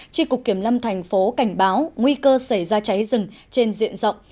tri cục kiểm lâm thành phố cảnh báo nguy cơ xảy ra cháy rừng trên diện rộng